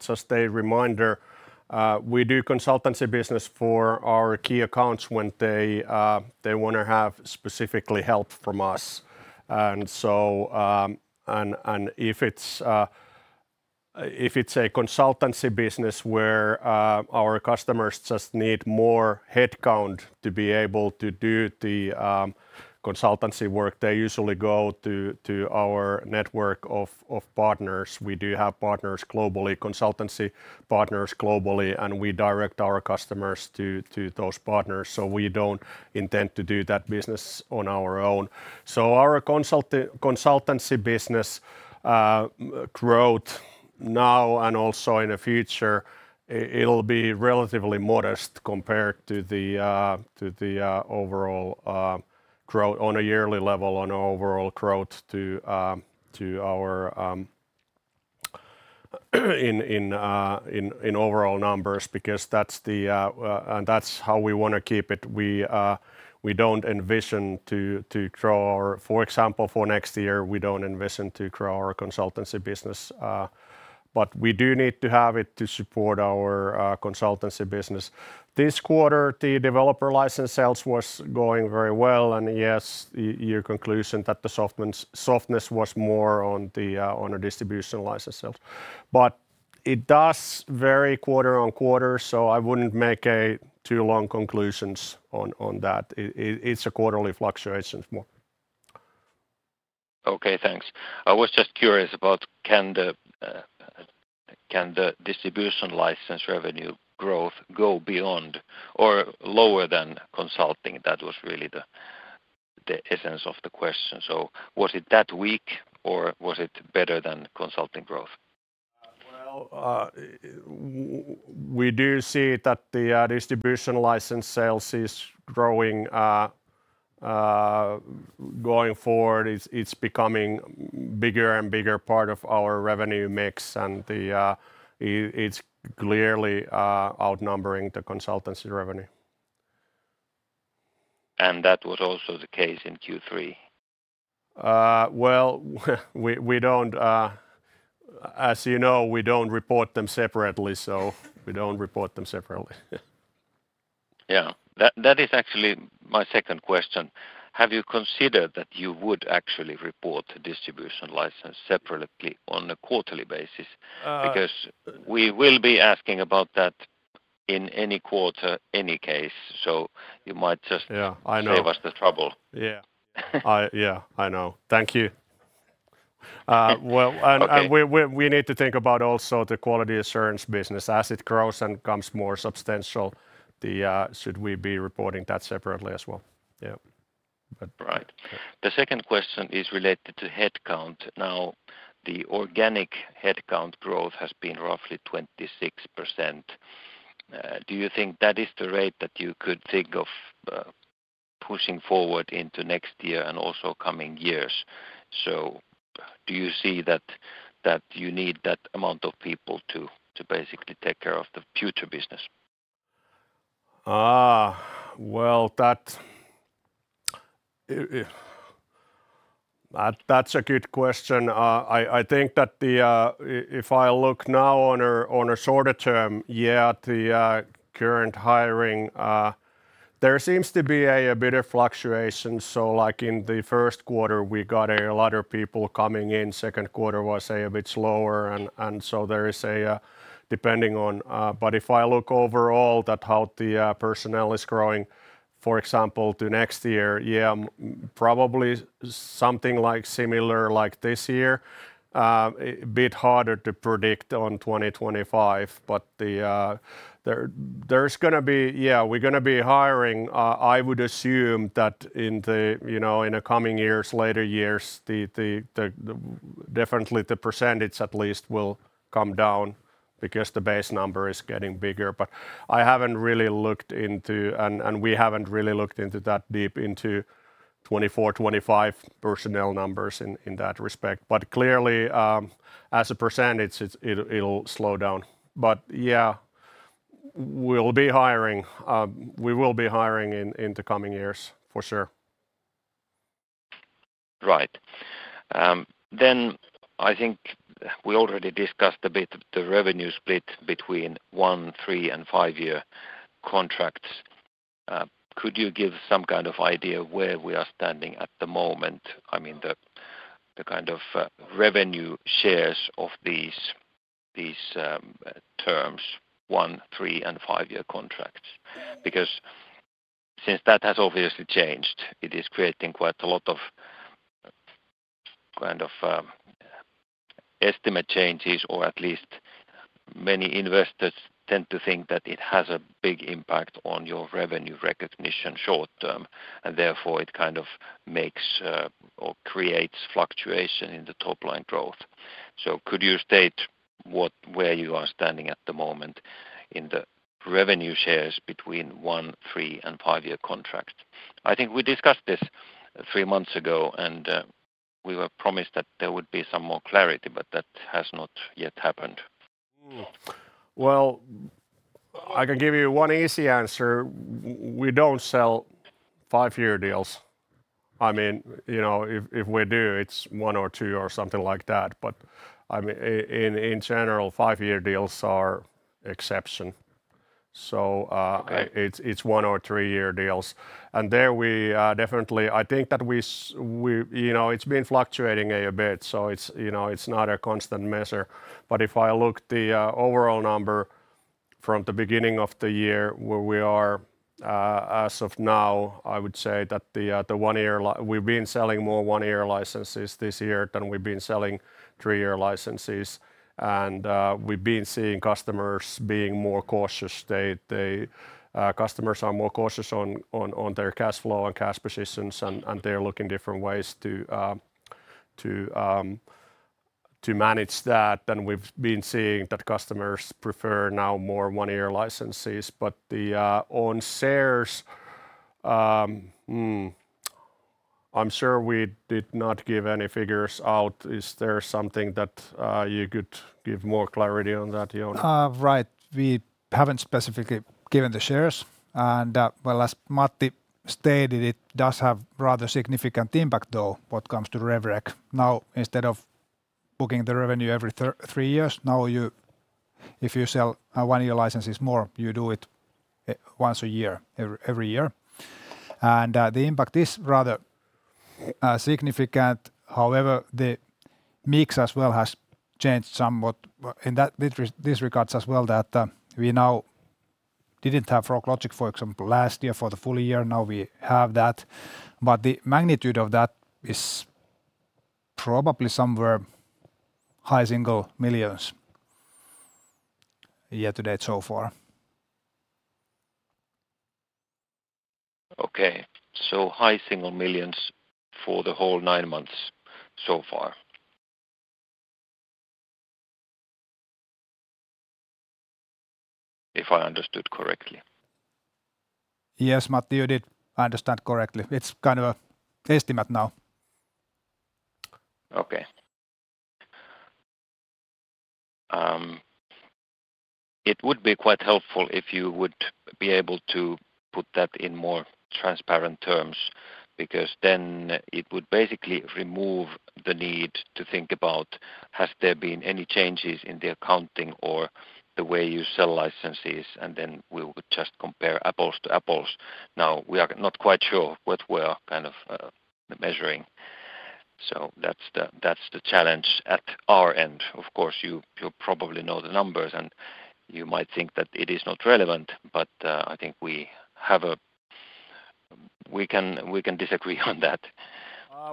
just a reminder, we do consultancy business for our key accounts when they wanna have specifically help from us. If it's a consultancy business where our customers just need more headcount to be able to do the consultancy work, they usually go to our network of partners. We do have partners globally, consultancy partners globally, and we direct our customers to those partners, so we don't intend to do that business on our own. Our consultancy business growth now and also in the future, it'll be relatively modest compared to the overall growth on a yearly level on overall growth to our in overall numbers because that's the and that's how we wanna keep it. For example, for next year, we don't envision to grow our consultancy business, but we do need to have it to support our consultancy business. This quarter, the developer license sales was going very well, and yes, your conclusion that the softness was more on the distribution license itself. It does vary quarter-on-quarter, so I wouldn't make too long conclusions on that. It's a quarterly fluctuations more. Okay, thanks. I was just curious about can the distribution license revenue growth go beyond or lower than consulting? That was really the essence of the question. Was it that weak, or was it better than consulting growth? Well, we do see that the distribution license sales is growing, going forward it's becoming bigger and bigger part of our revenue mix, and it's clearly outnumbering the consultancy revenue. That was also the case in Q3? Well, as you know, we don't report them separately. Yeah. That is actually my second question. Have you considered that you would actually report the distribution license separately on a quarterly basis? Uh- Because we will be asking about that in any quarter, in any case, so you might just. Yeah, I know. Save us the trouble. Yeah. I know. Thank you. Okay We need to think about also the quality assurance business. As it grows and becomes more substantial, should we be reporting that separately as well? Yeah. Right. The second question is related to headcount. Now, the organic headcount growth has been roughly 26%. Do you think that is the rate that you could think of pushing forward into next year and also coming years? Do you see that you need that amount of people to basically take care of the future business? Well, that's a good question. I think that if I look now on a shorter term, yeah, the current hiring, there seems to be a bit of fluctuation, so like in the first quarter, we got a lot of people coming in. Second quarter was a bit slower. If I look overall at how the personnel is growing, for example, to next year, yeah, probably something like similar like this year. A bit harder to predict for 2025, but there's gonna be, yeah, we're gonna be hiring. I would assume that in the, you know, in the coming years, later years, the percentage at least will come down because the base number is getting bigger, but I haven't really looked into and we haven't really looked into that deep into 2024, 2025 personnel numbers in that respect. Clearly, as a percentage, it'll slow down. Yeah, we'll be hiring. We will be hiring in the coming years, for sure. Right. I think we already discussed a bit the revenue split between one, three, and five-year contracts. Could you give some kind of idea where we are standing at the moment? I mean, the kind of revenue shares of these terms, one, three, and five-year contracts. Because since that has obviously changed, it is creating quite a lot of kind of estimate changes, or at least many investors tend to think that it has a big impact on your revenue recognition short term, and therefore it kind of makes or creates fluctuation in the top line growth. Could you state what, where you are standing at the moment in the revenue shares between one, three, and five-year contracts? I think we discussed this three months ago, and we were promised that there would be some more clarity, but that has not yet happened. Well, I can give you one easy answer. We don't sell five-year deals. I mean, you know, if we do, it's one or two or something like that. But I mean, in general, five-year deals are exception. Okay It's one- or three-year deals. There we definitely. I think that we, you know, it's been fluctuating a bit, so it's, you know, it's not a constant measure. If I look at the overall number from the beginning of the year where we are as of now, I would say that we've been selling more one-year licenses this year than we've been selling three-year licenses. We've been seeing customers being more cautious. Customers are more cautious on their cash flow and cash positions, and they're looking different ways to manage that than we've been seeing that customers prefer now more one-year licenses. Then, on shares, I'm sure we did not give any figures out. Is there something that you could give more clarity on that, Jouni? Right. We haven't specifically given the shares and, well, as Matti stated, it does have rather significant impact though when it comes to revenue recognition. Now, instead of booking the revenue every three years, now you if you sell one-year licenses more, you do it once a year, every year. The impact is rather significant. However, the mix as well has changed somewhat in that, with this regard as well that we now didn't have Froglogic, for example, last year for the full year. Now we have that. The magnitude of that is probably somewhere high single-digit millions year to date so far. Okay. High single millions for the whole nine months so far. If I understood correctly. Yes, Matti, you did understand correctly. It's kind of a estimate now. Okay. It would be quite helpful if you would be able to put that in more transparent terms because then it would basically remove the need to think about has there been any changes in the accounting or the way you sell licenses, and then we would just compare apples to apples. Now, we are not quite sure what we are kind of measuring, so that's the challenge at our end. Of course, you probably know the numbers and you might think that it is not relevant, but I think we can disagree on that.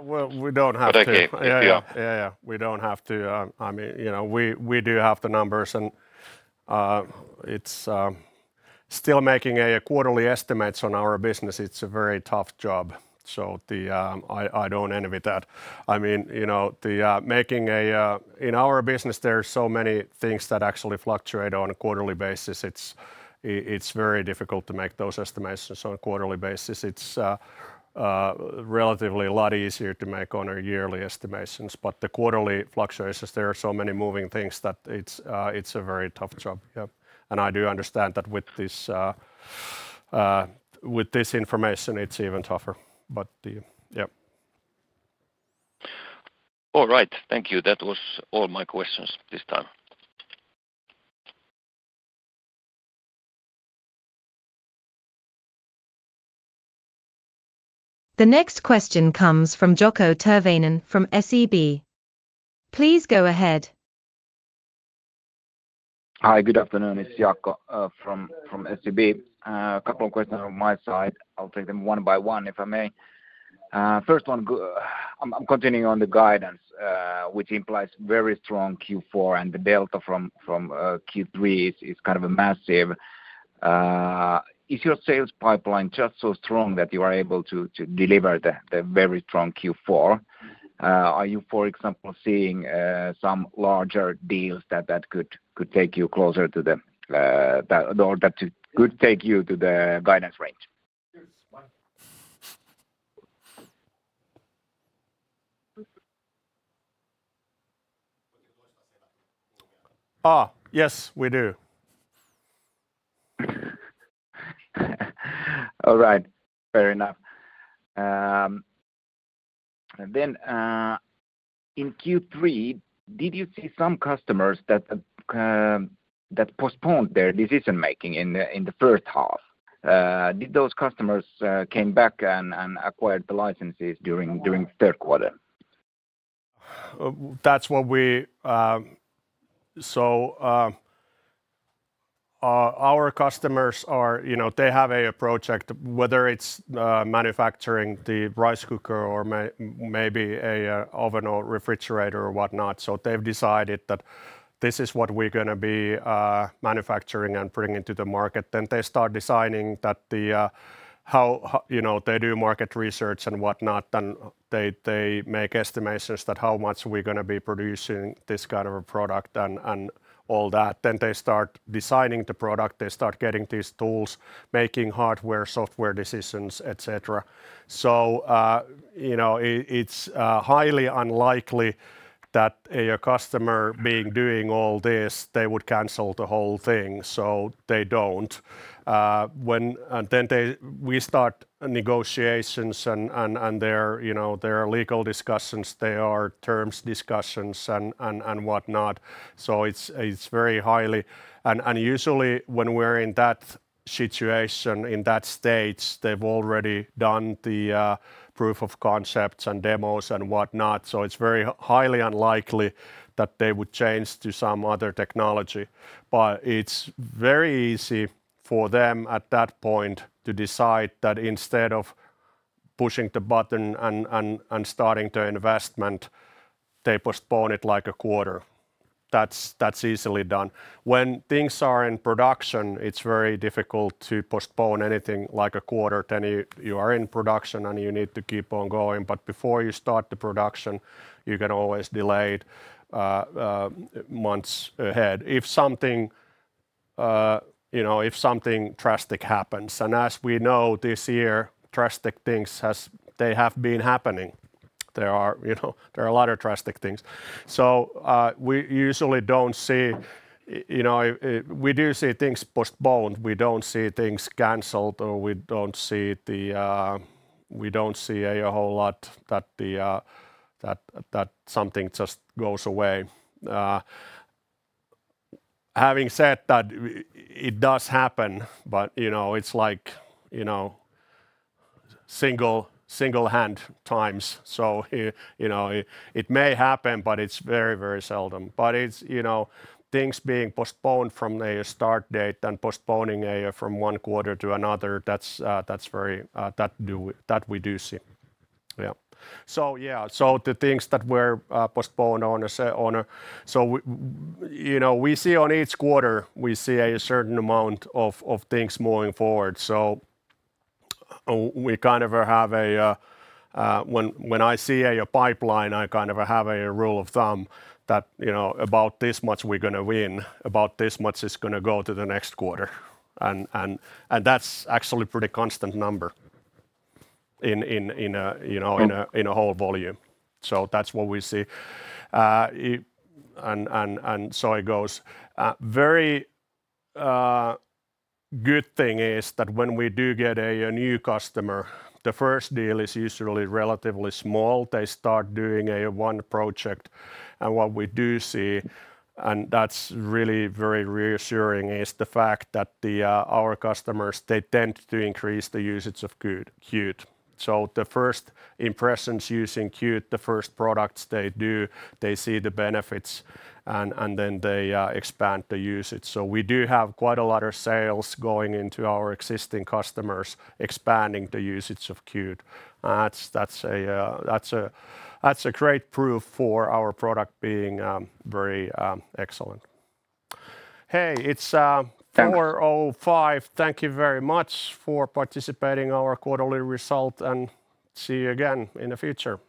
Well, we don't have to. Okay if you- Yeah, yeah. We don't have to, I mean, you know, we do have the numbers and, it's still making quarterly estimates on our business, it's a very tough job. I don't envy that. I mean, you know, In our business, there are so many things that actually fluctuate on a quarterly basis. It's very difficult to make those estimates just on a quarterly basis. It's relatively a lot easier to make on a yearly estimates. But the quarterly fluctuations, there are so many moving things that it's a very tough job. Yeah. I do understand that with this, with this information it's even tougher, but yeah. All right. Thank you. That was all my questions this time. The next question comes from Jaakko Tyrväinen from SEB. Please go ahead. Hi. Good afternoon. It's Jaakko from SEB. Couple of questions on my side. I'll take them one by one if I may. First one, I'm continuing on the guidance, which implies very strong Q4 and the delta from Q3 is kind of massive. Is your sales pipeline just so strong that you are able to deliver the very strong Q4? Are you, for example, seeing some larger deals that could take you closer to the or that could take you to the guidance range? Yes, we do. All right. Fair enough. In Q3, did you see some customers that postponed their decision making in the first half? Did those customers came back and acquired the licenses during the third quarter? That's what we. Our customers are, you know, they have a project whether it's manufacturing the rice cooker or maybe a oven or refrigerator or whatnot. They've decided that this is what we're gonna be manufacturing and bringing to the market. They start designing that the how, you know, they do market research and whatnot, and they make estimations that how much we're gonna be producing this kind of a product and all that. They start designing the product. They start getting these tools, making hardware, software decisions, et cetera. You know, it's highly unlikely that a customer being doing all this, they would cancel the whole thing, so they don't. We start negotiations and there, you know, there are legal discussions, there are terms discussions and whatnot. It's very highly. Usually when we're in that situation, in that stage, they've already done the proof of concepts and demos and whatnot, so it's highly unlikely that they would change to some other technology. It's very easy for them at that point to decide that instead of pushing the button and starting the investment, they postpone it like a quarter. That's easily done. When things are in production, it's very difficult to postpone anything like a quarter. You are in production, and you need to keep on going. Before you start the production, you can always delay it months ahead if something, you know, if something drastic happens. As we know this year, drastic things have been happening. There are, you know, a lot of drastic things. We usually don't see, you know. We do see things postponed. We don't see things canceled, or we don't see a whole lot that something just goes away. Having said that, it does happen but, you know, it's like, you know, single hand times. It may happen, but it's very seldom. Things being postponed from a start date and from one quarter to another, that's something that we do see. Yeah. Yeah. The things that were postponed. You know, we see in each quarter a certain amount of things moving forward. We kind of have a. When I see a pipeline, I kind of have a rule of thumb that, you know, about this much we're gonna win, about this much is gonna go to the next quarter, and that's actually pretty constant number in, you know. Mm-hmm In a whole volume. That's what we see, and so it goes. A very good thing is that when we do get a new customer, the first deal is usually relatively small. They start doing a one project. What we do see, and that's really very reassuring, is the fact that our customers, they tend to increase the usage of Qt. The first impressions using Qt, the first products they do, they see the benefits, and then they expand the usage. We do have quite a lot of sales going into our existing customers, expanding the usage of Qt. That's a great proof for our product being very excellent. Thanks ... 4:05. Thank you very much for participating in our quarterly results and see you again in the future.